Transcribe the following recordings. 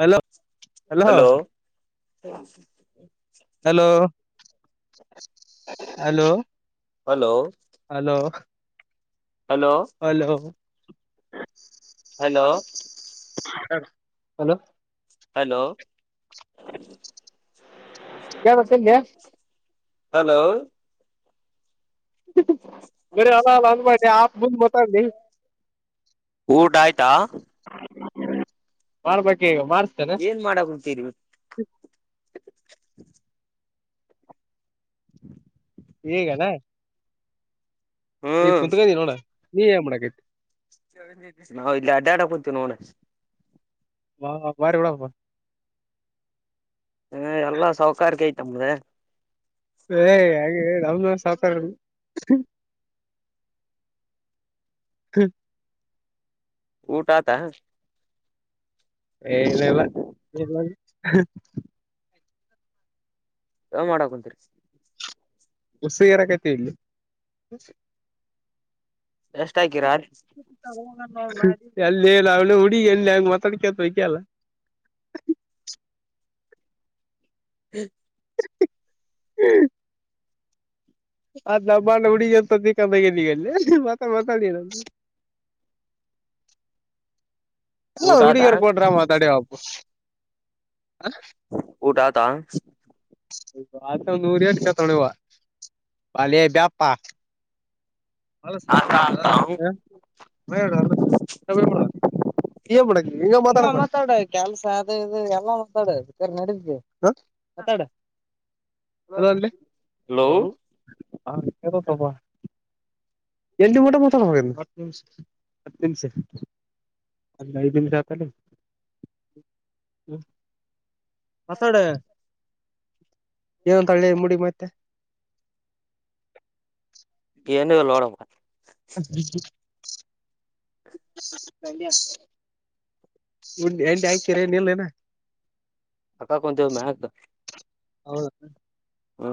Hello hello hello hello hello hello hello hello hello hello hello ಕೇಳಬೇಕಿಲ್ಲೆ hello ಬರಿ hello hello ಊಟ ಆಯ್ತಾ [unintelligible] ಮಾರ್ಬೇಕು ಈಗ ಮಾರ್ ಏನ್ ಮಾಡಕಕುಂತೀರಿ ಈಗೇನ. ಈಗ ಹ್ಮ್ ಕುತ್ಕದಿ ನೋಡ ನೀ ಏನ್ ಮಾಡಕೈತಿ. ನಾವು ಇಲ್ಲಿ ಅಡ್ಡಾಡಕ್ ಕುಂತೀವಿ ನೋಡ. ಹಾ ಬಾರೀ ಬಿಡಪ್ಪ. ಎಲ್ಲಾ ಸೌಕಾರಿಕ ಐತಪ್ಪೇ. ಹೇ [unintelligible] [inaudible] ಊಟ ಆತಾ. ಹೇ ಇಲ್ಲ ಇಲ್ಲ ಎಲ್ಲ ಏನ್ ಮಾಡಕಂತರಿ ಉಸು ಇರ ಕಟ್ಟ ಇಲ್ಲಿ [unintelligible] ಎಷ್ಟ ಹಾಕೀರಾ ರೀ ಅಲ್ಲ ನ ಅವನ ಹುಡಗ ಎಲ್ಲಿ ಹೆಂಗ ಮಾತಾಡ್ಕತ್ ವಕ್ಯಲ್ಲ [unintelligible] ಹ [inaudible] ಹ್ಮ್ [inaudible] ಅದ್ ನ ಬಾ [unintelligible] ಣ ಹುಡುಗಿ ಎಂತ ಬಕ್ಕಂದ ಎಲ್ಲಿಗಲ್ಲಿ ಮಾತ ನ ಎಲ್ಲ ಊಟ ಆತ ಹಡಿಯರ ಪಡ್ರಾಮ ತಡ ಹಪ್ಪು [unintelligible] ಊಟಾ ಆತ ಆ ನೂರ್ ಎಟ ಕತಳುವ [unintelligible] ಅಾಲಿಯ ಬ್ಯಾಪ್ಪಾ [unintelligible] ಬಾಳ ಮಾಡ [unintelligible] ಈ ಮಾತಾಡ ಕೆಲ್ಸ ಅದ ಇದು ಎಲ್ಲ ಮಾತಾಡ ನಡೀ ಮಾತಾಡ ಹಲೋ ಅಲೋ ಹ [unintelligible] ಎ ಟ ಮೋಟ ಮೊ ಹ [unintelligible] ಹ ಲ ಬನ ಯ ತ ಹ [unintelligible] ಮಾತಾಡ ಏನಂತಳ್ಳಿ ಮುಡಿ ಮತ್ತೆ [unintelligible] ಏನ ಇಲ್ಲ ನೋಡಪ್ಪಾ ಹ [inaudible] ಉ ಎಟಿ ಆಯ್ತರ ಇಲ್ಲನಾ [unintelligible] ಅಕ್ಕ ಕುಂತೇವೋ ತೇವ ಮ್ಯಕ್ [unintelligible] ಹೌದ ಹ್ಮ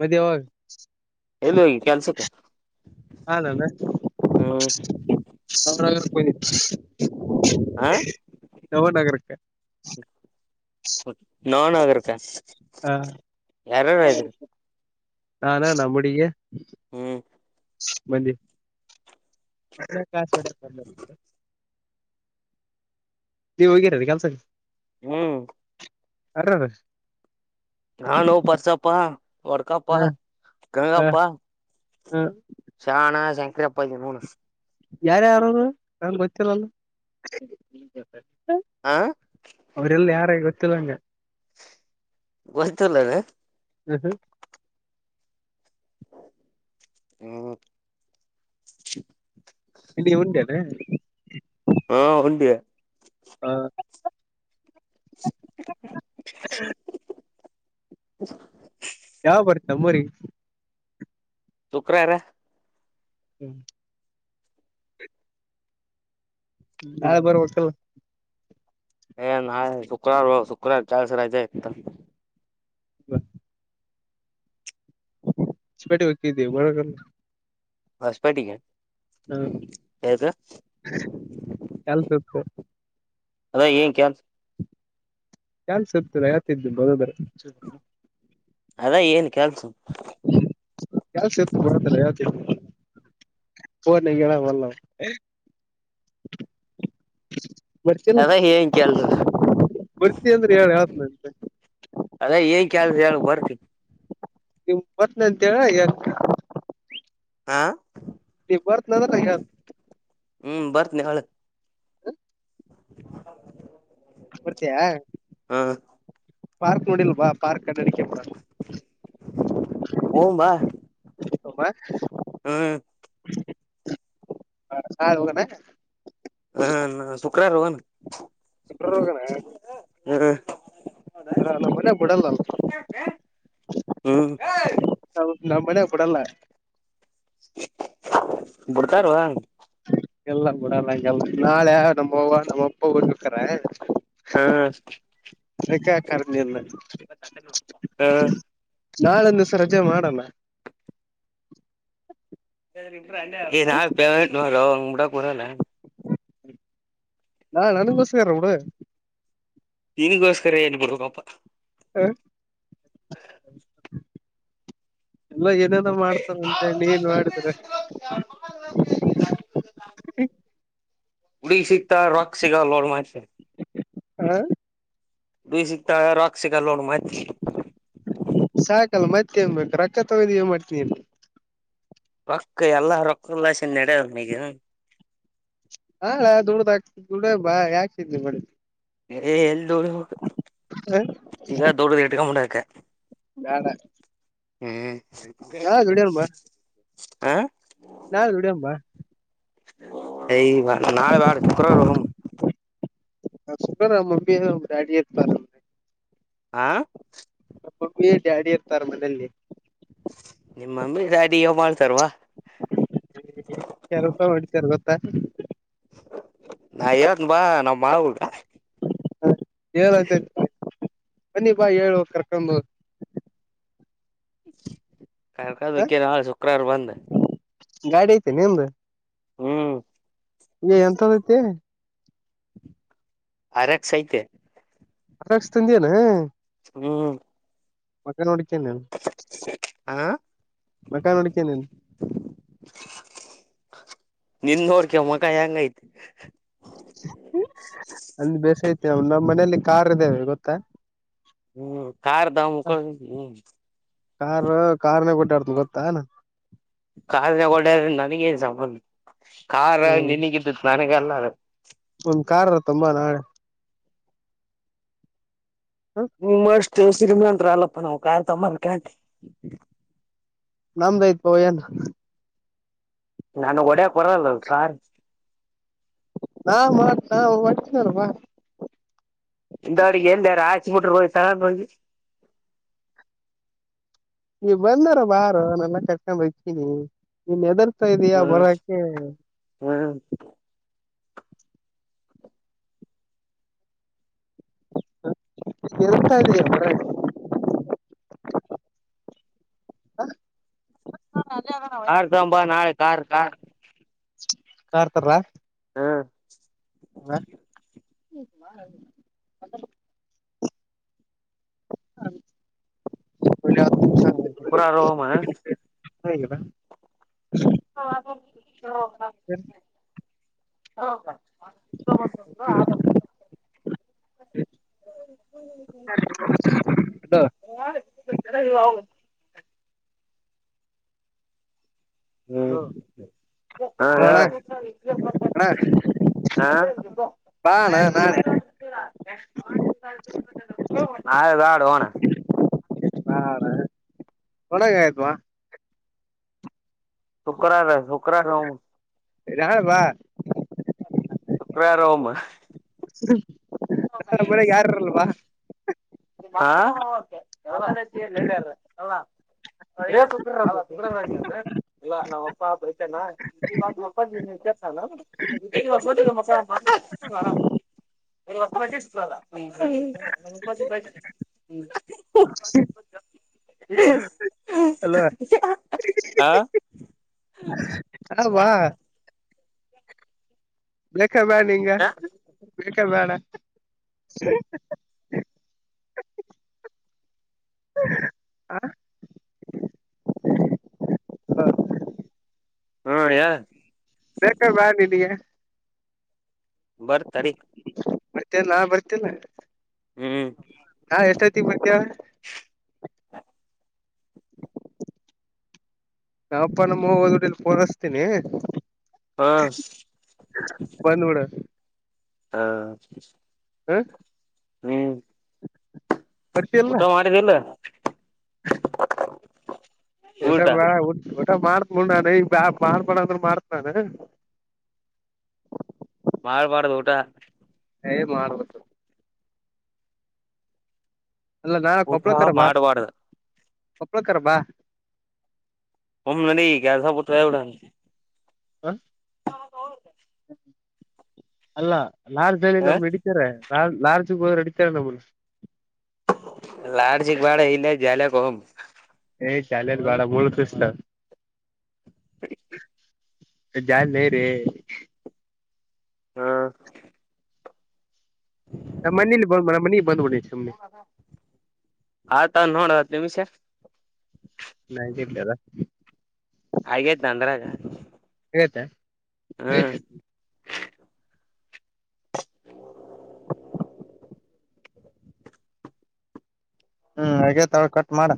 ಮದ್ವೇ ಯಾವಾಗ ಎಲ್ಲಿ ಹೋಗಿಯ್ ಕೆಲ್ಸಕ್ಕೆ.? ಹಾಾನ ಅವಿತ್ತು ಹ್ಮ್ [inaudible] ಹ ನವ ನಗರಕ್ಕೆ ನಾನು ಆಗರ್ಬೇಕೆ [unintelligible] ಹಾ ನಾನಾ ನಮ್ ಹುಡುಗಿ ಹ್ಮ್ ಮಂದಿ ಕಾಸ [unintelligible] ನೀವು ಹೋಗಿರೀ ಕೆಲ್ಸಕ್ಕೆ ಹ್ಮ್ ಅ [unintelligible] ನಾನು ಪರ್ಸಪ್ಪಾ ವಡ್ಕಪ್ಪ ಹಾ ಹಾ ಗಂಗಪ್ಪಾ ಹಾ ಶಾಣ ಸಂಕ್ರ ಅಪ್ಪದ ಮೂನು ಯಾರ ಯಾರದು ನನ್ಗೆ ಗೊತ್ತಿರಲ್ಲ ಹಾ ಅವರೆಲ್ಲ ಯಾರ ಗೊತ್ತಿಲ್ಲ ನಂಗೆ ಗೋತಿಲೇನ ಹ್ಮ್ ಹ್ಮ್ [inaudible] ಹ್ಮ ಇಲ್ಲಿ ಉಂಡೇನ. ಹಾ ಉಂಡಿವಿ. ಹಾ [unintelligible] [unintelligible] [unintelligible] [unintelligible] ನಾಳೆ [unintelligible] ಏ ನಾಳೆ ಶುಕ್ರವಾರ ಶುಕ್ರವಾರ ಕೆಲಸ ರಜೆ ಇತ್ತು. ಹಾ ಹೊಸಪೇಟೆ ಹೋಗ್ತಿದ್ವಿ [unintelligible] ಹೊಷ್ಟಪೇಟಿಗೆ. ಹ ಕೆಲ್ಸ ಇತ್ತು [unintelligible] ಅದ್ರಾಗ ಏನ್ [unintelligible] ಕೆಲಸ ಇತ್ತು [unintelligible] ಅದೇ ಏನ್ ಕೆಲ್ಸ. ಕೆಲ್ಸ ಇತ್ತು ಬರತ್ತಲ್ಲ [unintelligible] ಫೋನ್ನಾಗ ಹೇಳವ್ವಲ್ಲವೂ. ಬರ್ತಲ್ ಅದ ಏನ್ ಕೆಲ್ಸ ಬರ್ತನೀ ಅಂದ್ರೆ ಹೇಳು ಹೇಳ್ತಿನಿ. ಅದೇ ಏನ್ ಕೆಲ್ಸ ಹೇಳು ಬರ್ತಿ. ನೀನು ಬರ್ತಿನ್ ಅಂತೇಳ ಹೇಳ್ತಿನಿ. ಹಾ ನೀ ಬರ್ತಿನಿ ಅಂದ್ರೆ ನಾನ್ ಹೇಳ್ತಿನಿ. ಹ್ಮ್ ಬರ್ತನಿ ಹೇಳ. ಬರ್ತೀಯ ಹ ಪಾರ್ಕ್ ನೋಡಿಲ್ಲ ಬಾ ಪಾರ್ಕ್ ಅಡಾಡೋಕೆ. ಹೋಗಂ ಬಾ [unintelligible] ಹ್ಮ್ [unintelligible] ಹಾ ಶುಕ್ರವಾರ ಹೋಗೋಣ. ಹ್ಮ್ [unintelligible] ಹ್ಮ್ ಹ್ಮ್ ನಮ್ಮ್ ಮನೆ ಕೊಡಲ್ಲ. ಬಿಡ್ತಾರವಾ. ಎಲ್ಲ ಕೂಡಲ್ಲ ನಾಳೆ ನಮ್ಮವ ನಮ್ಮ ಅಪ್ಪ ಹೋಗಿರ್ತಾರೆ. ಹಾ ಅದಕ್ಕೆ ಕರ್ದೆಯಿಲ್ಲ. ಹಾ ನಾಳೆ ಒಂದು ದಿವಸ ರಜೆ ಮಾಡೋಣ. ನಾಲೆ ಪೇಮೆಂಟ್ ಅದಾವ ಬಿಡೋಕೆ ಬರಲ್ಲ. ಹಾ ನಂಗೋಸ್ಕರ ಬಿಡು. ನಿಗೋಸ್ಕರ ಏನ್ಬಿಡಬೇಕಪ್ಪ. ಹಾ ಎಲ್ಲ ಏನನ ಮಾಡ್ತಾರ ಅಂತೇಳಿ ಏನ್ ಮಾಡಿದ್ರೆ. [inaudible] ಹುಡುಗಿ ಸಿಗ್ತಾ ರೊಕ್ಕ ಸಿಗಲೋ. ಹಾ ದು ಸಿಗ್ತಾ ರಾಕ್ಕ್ಷ [unintelligible] ಸಿಗ ಲೋಡ್ ಮತ್ ಸಾಕಲ್ಲ ಮತ್ತೆೇನ್ ಬೇಕು ರೊಕ್ಕ ತಗೊಂಡಿ ಏನ್ ಮಾಡ್ತೀನಿ ಅ ರೊಕ್ಕ ಎಲ್ಲಾ ರೊಕ್ಕಲ್ಲಾಸನ್ ನಡದನಗ ಹಾ ದುಡ್ಡ್ದ ಆ ದುಡಬಾ [unintelligible] ಯಾಕ್ತಿದ್ ಮಾಡಿ ಏ ಎಲ್ಲಿ ದೊಡ ಬೇಡ ಈಗ ದೊಡದ ಇಟ್ಕಂಬಕ ಬ್ಯಾಡ ಹ್ಮ್ ದುಡಿಯನ್ ಹ ನಾವ್ ದುಡ್ಡಿಮ್ ಬಾ ಎ ನಾಳೆ ಬ್ಯಾಡ್ ಶುಕ್ರವಾರ್ ಹೋಗೋಬಾ ಹ ಸುಖ ನ ಮಮ್ಮಿ ಾಡಿ ಇತ್ [unintelligible] ಹಾ... ಮಾಮಿ ಡ್ಯಾಡಿ ಇರ್ತಾರೇ ಮನೆಯಲ್ಲಿ ನಿಮ್ ಮಮ್ಮಿ ಡ್ಯಾಡಿ ಏನ್ ಮಾಡ್ತಾರವಾ [unintelligible] ರೂಪಾಯಿ ಹೊಡತಾರ ಗೊತ್ತಾ ನಾ ಇರತ್ ಬಾ ನಾವ್ ಮಾ ಹಗ [unintelligible] ಹೇಳಏಂತ ಕನ್ನೀಪಾ ಹೇಳು ಕರ್ಕೊಂಡು [unintelligible] ಹ ಕಕಕ್ಕೆ [unintelligible] ನಳ ಶುಕ್ರವಾರ ಬಂದ್ ಗಾಡಿ ಐತೆ ನಿಮ್ದು? ಹ್ಮ್ ಈಗ ಎಂತದ ಐತಿ ಆರ್ ಎಕ್ಸ್ ಐತೆ ಆರ್ ಎಕ್ಸ್ ತಂದೀ ಹೇನಾ ಹ್ಮ್ ಮಕನ್ ನೋಡಿಕೆ ನನು ಹ ಮಕ ನೋಡಿಕ ನನು [unintelligible] ನಿನ್ ನೋಡ್ಕ ಮೊಖ ಹೆಂಗ ಐತಿ ಅಂದ ಬೇಸ ಐತಿ ನ ನಮ್ಮ್ ಮನೇಲಿ ಕಾರ್ ಇದ್ದೇವೆ ಗೊತ್ತಾ ಹ್ಮ್ ಕಾರಖಾರ್್ದ ಮುಕ್ಕೊ್ಮ [unintelligible] ಕಾರು ಕಾರ್ನಾಗ್ ಹೊಡ್ಯಾಡ್ಡ್ತು ಗೊತ್ತಾನ ಕಾರ್ನಗಡ ನನಗನ್ ಸಂಬಲ್ ಕಾರ್ ಹ್ಮ್ ನಿನಗಿದತ್ ನನಗಲ್ಲ [unintelligible] ಒಂದ್ ಕಾರ್ರ ತುಂಬಾ ನಾಳೆ ಹ್ಮ ಅಷ್ಟು ಸಿರಿಮನಂತ್ರ ಅಲ್ಲಪ್ಪ ನಾವ್ ಕಾರ್ ತಕಂಬರಕೆ ನಮ್ದ ತ್ ಪವ ಏನ್ [unintelligible] ನಂಗ್ ಒಡಿಯಾಕ್ ಬರಲ್ಲ ಕಾ ರ್ ನಾ ಮಾಡ ನಾವು ಒಟ್ಟಾರ [unintelligible] ಇಂದಡಿಗೆ ಎಂದಾರಾಚಿ ಬಿಟ್ರೆ ಹೋಗ್ತ ಹೋಗಿ [unintelligible] ನೀ ಬಂದಾರ ಬಾರೋ ನಾನೆಲ್ಲ ಕರ್ಕೊಂಡ್ ಹತೀನಿ ನೀನ್ ಹೆದರ್ತಾ ಇದಯ ಬರಕ ಹ್ಮ ಎೇಳ್ತಾ ಇದೀೆಯ ಮರ [unintelligible] ಕಾರ್ ತಕಂಡ್ ಬಾ ನಾಳೆ ಕಾರ್ ಕಾರ್ ಕಾರ್ತಾರ ಹಾ ಹ [inaudible] ಹೌ [inaudible] ಹ್ಮ ಹ್ಮ ಕೂರ ರ ಮ [unintelligible] ಹದಾ [unintelligible] [unintelligible] [unintelligible] [unintelligible] ಹ್ಮ್ ಹಲೋ ಹಾ ಅಣ್ಣ ಹೇಳ ಅಣ್ಣ ಹಾ. ಬಾ ಅಣ್ಣ ನಾಳೆ [unintelligible] [unintelligible] ಹೋಗೋಣ. ಒಳ್ಳೇದೇ ಆಯ್ತು ಬಾ. ಶುಕ್ರವಾರ ಶುಕ್ರವಾರ ಹೋಗುನು. ನಾಳೆ ಬಾ ಶುಕ್ರವಾರ ಹೋಗುನು. [inaudible] ನಾಳೆ ಮನೆಗ್ ಯಾರಿರಲ್ಲ ಬಾ [unintelligible] ಹಾ. [unintelligible] ಇಲ್ಲ ನಾವ್ ಅಪ್ಪ ಬೈತನಾ [unintelligible] [unintelligible] ಅಲ್ವಾ [unintelligible] ಹಾ. [unintelligible] ಬಾ ಬೇಕಾ ಬೇಡ್ವಾ ನಿನಗೆ ಬೇಕ ಬೇಡವ ಹಾ ಹಾ ಹೇಳು. ಬೇಕ ಬೇಡ್ವಾ ನಿನಗೆ. ಬರ್ತಾ ತಾಡಿ. ಮತ್ತೇನಾ ಬರ್ತೇತಿಲ್ಲ ಹ್ಮ್ ಎಷ್ಟೋತ್ತಿಗೆ ಬರ್ತೀಯ. ನಮ್ಮ ಅಪ್ಪ ನಮ್ಮ ಅವ್ವೋ ಹೋದೋಡಿಲ್ಲಿ ಫೋನೇ ಹಚ್ಚಿತಿನಿ. ಹಾ ಬಂದುಬಿಡು. ಹಾ ಹ ಹ್ಮ್ [unintelligible] ಊಟ ಮಾಡಿದ್ದಿಲ್ಲ. ಊಟ ಊಟ ಮಾಡತ್ ಈಗ ಮಾಡಬೇಡ ಅಂದ್ರು ಮಾಡ್ತಾನೆ ಮಾಡಬಾರ್ದ ಊಟ. ಹೇ ಮಾಡಬೇಕು ಇಲ್ಲ ನಾಳೆ ಊಟ ಕೊಪ್ಪಳಕರ ಬಾ ಮಾಡ್ಬಾರ್ದು ಕೊಪ್ಪಳಕರ ಬಾ ಒಮ್ಮೆಲೇ ಈ ಕೆಲಸ ಬಿಟ್ಟೇಬಿಡು. ಹಾ [unintelligible] ಅಲ್ಲ ಲಾರ್ಜ್ ಅಲ್ಲಿ ಹ ನಮ್ಗೆ ಇಡಿತಾರೆ ಲಾರ್ಜ್ ಲಾರ್ಜ್ಗೆ ಹೋದ್ರೆ ಇಡಿತಾರೆ ನಮ್ಮಣ್ಣ ಲಾಡ್ಜ್ಗೆ ಬೇಡ ಇಲ್ಲೇ ಜಾಲಿಯಗ್ ಹೋಗೋಮ್. ಹೇ [unintelligible] ಬೇಡ ಮುಳ್ಳು ಚುಚ್ಚಿತಾವ್ [unintelligible] ಹಾ. ನಮ್ಮ ಮನೇಲಿನಮ್ಮ ಮನೆ ಬಂದುಬಿಡಿ ಸುಮ್ನೆ ಆಟ ನೋಡ ಹತ್ತ ನಿಮಿಷ. ನನ್ನ ಕಿಟ್ಲಿ ಅದ. ಹಾಗೇಯ್ತ ನಂದ್ರಗ. ಆಗತ. ಹ್ಮ್. ಹ್ಮ್ ಹಾಗೇತ ಹೇಳ ಕಟ್ ಮಾಡ.